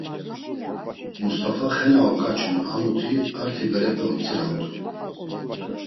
Must̆afa, xe na oǩaçun a muti arti berepe otziramt̆u.